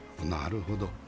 なるほど。